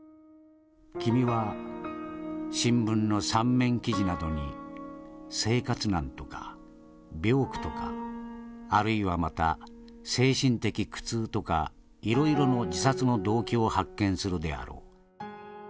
君は新聞の三面記事などに生活難とか病苦とかあるいはまた精神的苦痛とかいろいろの自殺の動機を発見するであろう。